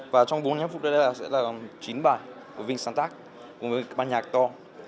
và trong bốn mươi năm phút đó sẽ là chín bài của vinh sáng tác cùng với bản nhạc to